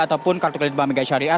ataupun kartu kredit bank mega sari a